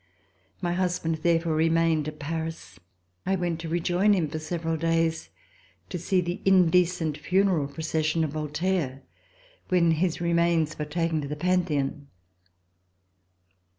My husband therefore remained at Paris. I went to rejoin him for several days to see the indecent funeral procession of Voltaire when his remains were taken to the Pantheon.